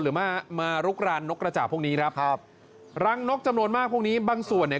หรือมามาลุกรานนกกระจ่าพวกนี้ครับครับรังนกจำนวนมากพวกนี้บางส่วนเนี่ย